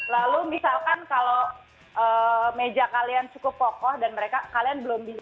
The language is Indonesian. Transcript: lalu misalkan kalau misalnya kita mau bergerakan di tempat ini